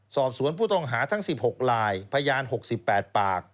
สอบสวนผู้ต้องหาทั้ง๑๖ลายพยาน๖๘ปาก